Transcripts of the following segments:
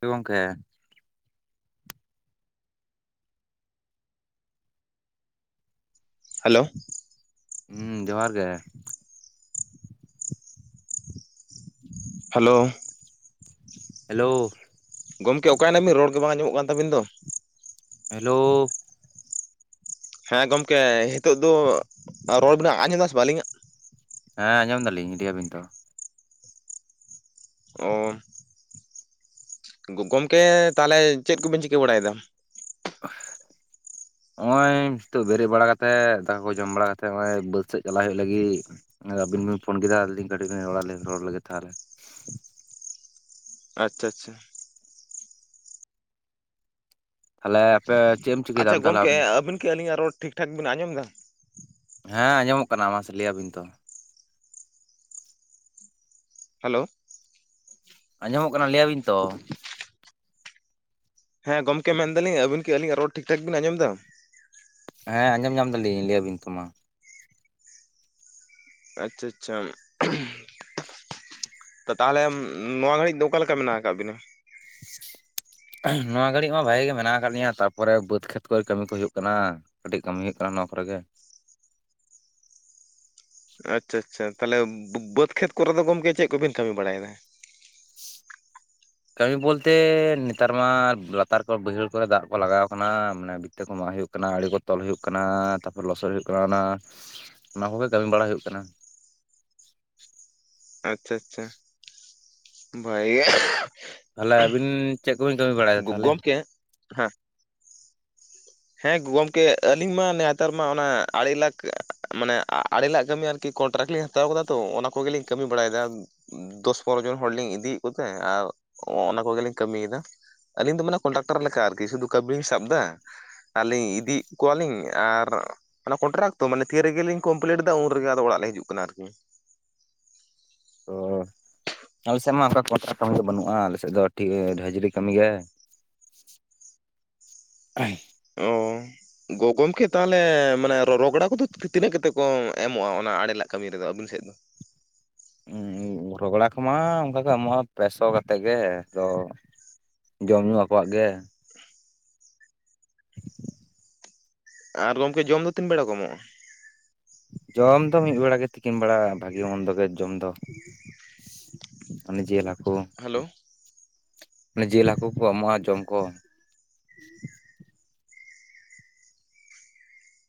ᱛᱮ ᱜᱚᱝᱠᱮ᱾ ᱦᱟᱞᱳᱣ᱾ ᱦᱩᱸ ᱡᱚᱦᱟᱨ ᱜᱮ᱾ ᱦᱟᱞᱳᱣ᱾ ᱦᱮᱞᱳᱣ᱾ ᱜᱚᱢᱠᱮ ᱚᱠᱟᱭ ᱱᱟᱵᱤᱱ ᱨᱚᱲ ᱜᱮ ᱵᱟᱝ ᱟᱧᱡᱚᱢᱚᱜ ᱠᱟᱱ ᱛᱟᱹᱵᱤᱱ ᱫᱚ? ᱦᱮᱞᱳᱣ᱾ ᱦᱮᱸ ᱜᱚᱢᱠᱮ ᱦᱤᱸᱛᱩᱜ ᱫᱚ ᱨᱚᱲ ᱵᱤᱱ ᱟᱧᱡᱚᱢ ᱫᱟ ᱥᱮ ᱵᱟ ᱟᱞᱤᱧᱟᱜ? ᱦᱮᱸ ᱟᱸᱡᱚᱢ ᱫᱟᱞᱤᱧ ᱞᱟᱹᱭᱟᱵᱤᱱ ᱛᱚ ᱳᱢ᱾ ᱜᱚ ᱜᱚᱝᱢᱠᱮ ᱛᱟᱦᱚᱞᱮ ᱪᱮᱫ ᱠᱩᱵᱤᱱ ᱪᱤᱠᱟᱹ ᱵᱟᱲᱟᱭ ᱫᱟ? [unintelligible] ᱱᱚᱜ-ᱚᱸᱭᱻ ᱱᱤᱛᱚᱜ ᱵᱮᱨᱮᱫ ᱵᱟᱲᱟ ᱠᱟᱛᱮᱜ ᱫᱟᱠᱟ ᱠᱚ ᱡᱚᱢ ᱵᱟᱲᱟ ᱠᱟᱛᱮᱜ ᱱᱚᱜ-ᱚᱸᱭ ᱵᱟᱹᱛᱷ ᱥᱮᱜ ᱪᱟᱞᱟᱜ ᱦᱩᱭᱩᱜ ᱞᱟᱹᱜᱤᱜ᱾ ᱟᱹᱵᱤᱱ ᱵᱤᱱ ᱯᱷᱩᱱ ᱠᱤᱫᱟ ᱟᱨ ᱞᱤᱧ ᱠᱟᱹᱴᱤᱡ ᱞᱤᱧ ᱨᱚᱲᱟ ᱞᱤᱧ ᱨᱚᱲ ᱨᱮᱜᱮ ᱞᱟᱹᱜᱤᱜ ᱛᱟᱦᱚᱞᱮ᱾ ᱟᱪᱷᱟ ᱟᱪᱷᱟ᱾ ᱛᱟᱦᱚᱞᱮ ᱟᱯᱮ ᱪᱮᱫ ᱮᱢ ᱪᱤᱠᱟᱹᱭᱮᱫᱟ ᱟᱪᱷᱟ ᱟᱢ ᱛᱟᱦᱚᱞᱮ ᱜᱚᱝᱠᱮ ᱟᱹᱵᱤᱱ ᱠᱤ ᱟᱹᱞᱤᱧᱟᱜ ᱨᱚᱲ ᱴᱷᱤᱠᱼᱴᱷᱟᱠ ᱵᱤᱱ ᱟᱸᱡᱚᱢ ᱫᱟ? ᱦᱮᱸ ᱟᱸᱡᱚᱢᱚᱜ ᱠᱟᱱᱟ ᱢᱟᱥᱮ ᱞᱟᱹᱭᱟ ᱵᱤᱱ ᱛᱚ? ᱦᱮᱞᱳᱣ᱾ ᱟᱸᱡᱚᱢᱚᱜ ᱠᱟᱱᱟ ᱞᱟᱹᱭᱟ ᱵᱤᱱ ᱛᱚ? ᱦᱮᱸ ᱜᱚᱢᱠᱮ ᱢᱮᱱ ᱫᱟᱹᱞᱤᱧ ᱟᱹᱵᱤᱱ ᱠᱤ ᱟᱹᱞᱤᱧᱟᱜ ᱨᱚᱲ ᱴᱷᱤᱼᱴᱷᱟᱠ ᱵᱤᱱ ᱟᱸᱡᱚᱢ ᱫᱟ? ᱦᱮᱸ ᱟᱸᱡᱚᱢ ᱧᱟᱢ ᱫᱟᱹᱞᱤᱧ ᱞᱟᱹᱭ ᱟᱵᱤᱱ ᱛᱚ ᱢᱟ? ᱟᱪᱷᱟ ᱟᱪᱷᱟᱢ᱾ [unintelligible] ᱛᱚ ᱛᱟᱦᱚᱞᱮᱢ ᱱᱚᱣᱟ ᱜᱷᱟᱹᱲᱤᱡ ᱫᱚ ᱚᱠᱟ ᱞᱮᱠᱟ ᱢᱮᱱᱟᱜ ᱟᱠᱟᱜ ᱵᱤᱱᱟ? [unintelligible] ᱱᱚᱣᱟ ᱜᱷᱟᱹᱲᱤᱡ ᱢᱟ ᱵᱷᱟᱜᱤ ᱜᱮ ᱢᱮᱱᱟᱜᱱ ᱟᱠᱟᱫ ᱞᱤᱧᱟ ᱛᱟᱨᱦᱯᱚᱨᱮ ᱵᱟᱹᱫᱽ ᱠᱷᱮᱛ ᱠᱚᱨᱮ ᱠᱟᱹᱢᱤ ᱠᱚ ᱦᱩᱭᱩᱜ ᱠᱟᱱᱟ᱾ ᱠᱟᱹᱴᱤᱡ ᱠᱟᱹᱢᱤ ᱦᱩᱭᱩᱜ ᱠᱟᱱᱟ ᱱᱚᱶᱟ ᱠᱚᱨᱮ ᱜᱮ᱾ ᱟᱪᱷᱟ ᱟᱪᱷᱟ ᱛᱟᱦᱚᱞᱮ ᱵᱟᱹ ᱵᱟᱹᱫᱽ ᱠᱷᱮᱛ ᱠᱚᱨᱮ ᱫᱚ ᱜᱚᱢᱠᱮ ᱪᱮᱜ ᱠᱚᱵᱤᱱ ᱠᱟᱹᱢᱤ ᱵᱟᱲᱟᱭ ᱫᱟ? [inaudible] ᱠᱟᱹᱢᱤ ᱵᱩᱞᱛᱮ ᱱᱮᱛᱟᱨ ᱢᱟ ᱞᱟᱛᱟᱨ ᱠᱚᱨᱮ ᱵᱟᱹᱭᱦᱟᱹᱲ ᱠᱚᱨᱮ ᱫᱟᱜ ᱠᱚ ᱞᱟᱜᱟᱣ ᱠᱟᱱᱟ᱾ ᱢᱟᱱᱮ ᱛᱮ ᱠᱚ ᱢᱟᱜ ᱦᱩᱭᱩᱜ ᱠᱟᱱᱟ, ᱟᱲᱤ‌ ᱠᱩ ᱛᱚᱞ ᱦᱩᱭᱩᱜ ᱠᱟᱱᱟ, ᱛᱟᱯᱚᱨ ᱞᱚᱥᱚᱫ ᱦᱩᱭᱩᱜ ᱠᱟᱱᱟ, ᱚᱱᱟ ᱚᱱᱟ ᱠᱚᱜᱮ ᱠᱟᱹᱢᱤ ᱵᱟᱲᱟ ᱦᱩᱭᱩᱜ ᱠᱟᱱᱟ᱾ ᱟᱪᱷᱟ ᱟᱪᱷᱟ ᱵᱟᱭᱟ ᱾ ᱛᱟᱦᱞᱮ ᱟᱹᱵᱤᱱ ᱪᱮᱫ ᱠᱚᱵᱤᱱ ᱠᱟᱹᱢᱤ ᱵᱟᱲᱟᱭᱮᱫᱟ ᱛᱟᱦᱞᱮ ᱜᱚᱢᱠᱮ ᱦᱮᱸ᱾ ᱦᱮᱸ ᱜᱚᱢᱠᱮ ᱟᱹᱞᱤᱧ ᱢᱟ ᱱᱮᱛᱟᱨ ᱢᱟ ᱚᱱᱟ ᱟᱲᱤ ᱞᱟᱠ ᱢᱟᱱᱮ ᱟᱜ ᱟᱲᱮ ᱞᱟᱜ ᱠᱟᱹᱢᱤ ᱟᱨ ᱠᱤ ᱠᱚᱱᱴᱨᱟᱠᱴ ᱞᱤᱧ ᱦᱟᱛᱟᱣ ᱠᱟᱫᱟ ᱛᱚ ᱚᱱᱟ ᱠᱚᱜᱮ ᱞᱤᱧ ᱠᱟᱹᱢᱤ ᱵᱟᱲᱟᱭ ᱫᱟ᱾ ᱫᱚᱥ ᱯᱚᱱᱨᱚ ᱡᱚᱱ ᱦᱚᱲ ᱞᱤᱧ ᱤᱫᱤᱭᱮᱜ ᱠᱚᱛᱮ ᱟᱨ ᱚᱱᱟ ᱠᱚᱜᱮ ᱞᱤᱧ ᱠᱟᱹᱢᱤᱭ ᱫᱟ᱾ ᱟᱹᱞᱤᱧ ᱫᱚ ᱢᱟᱱᱮ ᱠᱚᱱᱴᱨᱟᱠᱴᱚᱨ ᱞᱮᱠᱟ ᱟᱨ ᱠᱤ ᱥᱩᱫᱩ ᱠᱟᱹᱵᱤ‌ ᱞᱤᱧ ᱥᱟᱵ ᱫᱟ᱾ ᱟᱞᱤᱧ ᱤᱫᱤᱭᱮᱜ ᱠᱩᱣᱟ ᱞᱤᱧ, ᱟᱨ ᱢᱟᱱᱮ ᱠᱚᱱᱴᱨᱟᱠ ᱛᱚ ᱢᱟᱱᱮ ᱛᱷᱤ ᱨᱮ ᱜᱮᱞᱤᱧ ᱠᱚᱢᱯᱮᱞᱮᱴ ᱫᱟ ᱩᱱ ᱨᱮᱜᱮ ᱟᱫᱚ ᱚᱲᱟᱜ ᱞᱮ ᱦᱤᱡᱩᱜ ᱠᱟᱱᱟ᱾ ᱟᱨ ᱠᱤ ᱚ᱾ ᱟᱞᱮ ᱥᱮᱱ ᱢᱟ ᱚᱱᱠᱟ ᱠᱟᱹᱢᱤ ᱫᱚ ᱵᱟᱹᱱᱩᱜᱼᱟ ᱟᱞᱮ ᱥᱮᱫ ᱫᱚ ᱦᱟᱹᱡᱨᱤ ᱠᱟᱹᱢᱤ ᱜᱮ [unintelligible] ᱚ ᱜᱚ ᱜᱚᱢᱠᱮ ᱛᱟᱦᱚᱞᱮ ᱢᱟᱱᱮ ᱨᱚ ᱨᱚᱜᱽᱲᱟ ᱠᱚᱫᱚ ᱛᱤᱱᱟᱹᱜ ᱠᱟᱛᱮᱫ ᱠᱚ ᱮᱢᱚᱜᱼᱟ ᱚᱱᱟ ᱟᱲᱮᱞᱟᱜ ᱠᱟᱹᱢᱤ ᱨᱮᱫᱚ ᱟᱹᱵᱤᱱ ᱥᱮᱫ ᱫᱚ ᱨᱚᱜᱽᱲᱟ ᱠᱚᱢᱟ ᱚᱱᱠᱟ ᱠᱚ ᱮᱢᱚᱜᱼᱟ ᱯᱮᱥᱚ ᱠᱟᱛᱮᱫ ᱜᱮ ᱟᱫᱚ ᱡᱚᱢ ᱧᱩ ᱟᱵᱚᱣᱟᱜ ᱜᱮ ᱟᱨ ᱜᱚᱢᱠᱮ ᱡᱚᱢ ᱫᱚ ᱛᱤᱱ ᱵᱮᱲᱟ ᱠᱚ ᱮᱢᱚᱜᱼᱟ ᱡᱚᱢ ᱫᱚ ᱢᱤᱫ ᱵᱮᱲᱟ ᱜᱮ ᱛᱤᱠᱤᱱ ᱵᱮᱲᱟ ᱵᱷᱟᱹᱜᱤ ᱢᱚᱱᱫᱚ ᱜᱮ ᱡᱚᱢ ᱫᱚ ᱚᱱᱮ ᱡᱮ ᱦᱟᱠᱳ ᱦᱮᱞᱳ ᱚᱱᱮ ᱡᱤᱞ ᱦᱟᱠᱳ ᱠᱚ ᱮᱢᱚᱜᱼᱟ ᱡᱚᱢ ᱠᱚ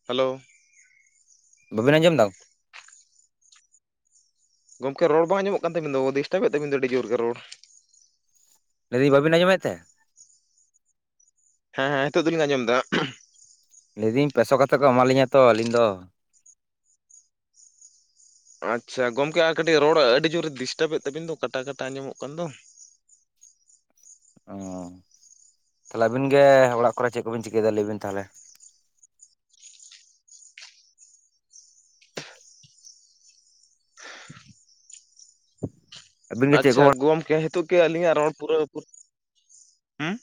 ᱦᱮᱞᱳ ᱵᱟᱹᱵᱤᱱ ᱟᱸᱡᱚᱢ ᱮᱫᱟ ᱜᱚᱢᱠᱮ ᱨᱚᱲ ᱵᱟᱝ ᱟᱸᱡᱚᱢᱚᱜ ᱠᱟᱱ ᱛᱟᱵᱤᱱ ᱫᱚ ᱰᱤᱥᱴᱟᱵᱮᱫ ᱛᱟᱵᱤᱱ ᱫᱚ ᱟᱹᱰᱤ ᱡᱳᱨ ᱜᱮ ᱨᱚᱲ ᱞᱟᱹᱭᱫᱟᱹᱧ ᱵᱟᱵᱤᱱ ᱟᱸᱡᱚᱢᱮᱫ ᱛᱮ ᱦᱮᱸ ᱦᱮᱸ ᱱᱤᱛᱚᱜ ᱫᱚᱞᱤᱧ ᱟᱸᱡᱚᱢ ᱮᱫᱟ ᱞᱟᱹᱭᱫᱟᱤᱹᱧ ᱯᱮᱥᱚ ᱠᱟᱛᱮ ᱠᱚ ᱮᱢᱟᱞᱤᱧᱟ ᱛᱚ ᱟᱹᱞᱤᱧ ᱫᱚ ᱟᱪᱪᱷᱟ ᱜᱚᱝᱠᱮ ᱟᱨ ᱠᱟᱹᱴᱤᱡ ᱨᱚᱲ ᱟᱹᱰᱤ ᱡᱩᱨ ᱰᱤᱥᱴᱟᱵᱮᱫ ᱛᱟᱹᱵᱤᱱ ᱫᱚ ᱠᱟᱴᱟ ᱠᱟᱴᱟ ᱟᱸᱡᱚᱢᱚᱜ ᱠᱟᱱ ᱫᱚ᱾ ᱚ ᱛᱟᱦᱚᱞᱮ ᱟᱹᱵᱤᱱ ᱜᱮ ᱚᱲᱟᱜ ᱠᱚᱨᱮ ᱪᱮᱫ ᱠᱚᱵᱤᱱ ᱪᱤᱠᱟᱹᱭᱮᱫᱟ ᱞᱟᱹᱭ ᱵᱤᱱ ᱛᱟᱦᱚᱞᱮ ᱟᱹᱵᱤᱱ ᱜᱮ ᱪᱮᱫ ᱠᱚ ᱟᱪᱪᱷᱟ ᱚᱲᱟᱜ ᱜᱚᱢᱠᱮ ᱱᱤᱛᱚᱜ ᱠᱤ ᱟᱹᱞᱤᱧᱟᱜ ᱨᱚᱲ ᱯᱩᱨᱟᱹ ᱦᱩᱸ